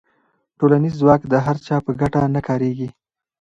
ټولنیز ځواک د هر چا په ګټه نه کارېږي.